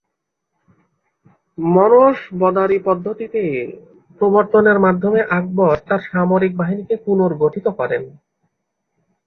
মনসবদারি পদ্ধতি প্রবর্তনের মাধ্যমে আকবর তাঁর সামরিক বাহিনীকে পুনর্গঠিত করেন।